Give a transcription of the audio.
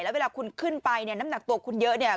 แล้วเวลาคุณขึ้นไปเนี่ยน้ำหนักตัวคุณเยอะเนี่ย